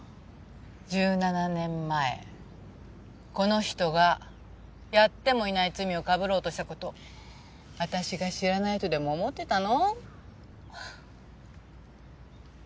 １７年前この人がやってもいない罪をかぶろうとした事私が知らないとでも思ってたの？